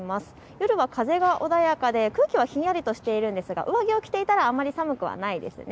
夜は風が穏やかで空気はひんやりとしているんですが上着を着ていたらあまり寒くないですね。